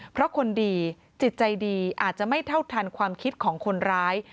เพราะคนดีจิตใจดีอาจจะไม่เท่าทันความคิดของคนร้าย